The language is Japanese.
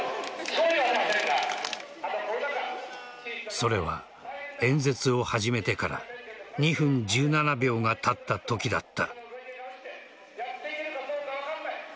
それは、演説を始めてから２分１７秒がたったときだった。